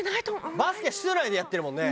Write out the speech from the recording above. バスケ室内でやってるもんね。